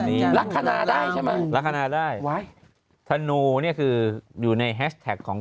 นี่ลักษณะได้ใช่ไหมลักษณะได้ว้าธนูเนี้ยคืออยู่ในของ